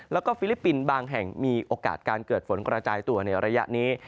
แล้วก็ฟิลิปปินส์บางแห่งมีโอกาสการเกิดฝนกระจายตัวในระยะนี้